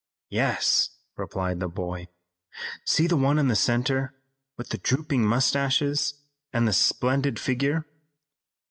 "Yes," replied the boy. "See the one in the center with the drooping mustaches and the splendid figure.